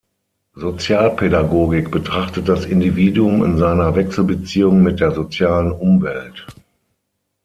Sozialpädagogik betrachtet das Individuum in seiner Wechselbeziehung mit der sozialen Umwelt.